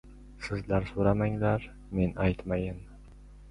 — Sizlar so‘ramanglar, men aytmayin.